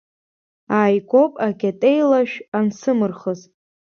Ааигәоуп акьатеилашә ансымырхыз.